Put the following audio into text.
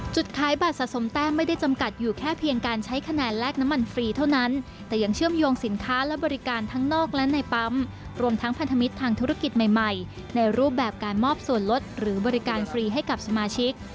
จุดขายบัตรสะสมแต้มไม่ได้จำกัดอยู่แค่เพียงการใช้คะแนนแลกน้ำมันฟรีเท่านั้นแต่ยังเชื่อมโยงสินค้าและบริการทั้งนอกและในปั๊มรวมทั้งพันธมิตรทางธุรกิจใหม่ในรูปแบบการมอบส่วนลดหรือบริการฟรีให้กับสมาชิก